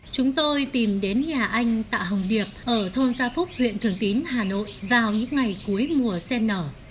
chúng tôi tìm đến nhà anh tạ hồng điệp ở thôn gia phúc huyện thường tín hà nội vào những ngày cuối mùa sen nở